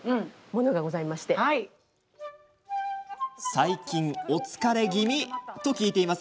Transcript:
最近お疲れ気味と聞いています